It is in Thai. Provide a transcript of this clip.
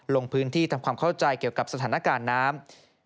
ลงพื้นที่ทำความเข้าใจเกี่ยวกับสถานการณ์น้ำ